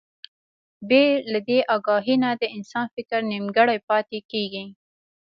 بې له دې اګاهي نه د انسان فکر نيمګړی پاتې کېږي.